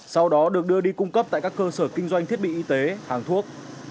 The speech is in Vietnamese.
sau đó được đưa đi cung cấp tại các cơ sở kinh doanh thiết bị y tế hàng thuốc